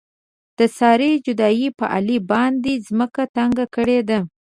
د سارې جدایۍ په علي باندې ځمکه تنګه کړې ده.